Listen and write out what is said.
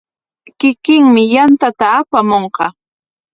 Kikinmi yantata apamunqa.